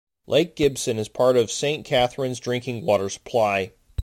Lake Gibson is part of Saint Catharines' drinking water supply.